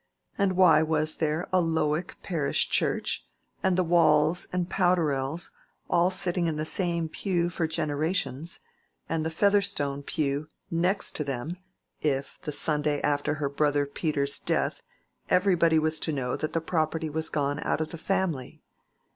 —and why was there a Lowick parish church, and the Waules and Powderells all sitting in the same pew for generations, and the Featherstone pew next to them, if, the Sunday after her brother Peter's death, everybody was to know that the property was gone out of the family?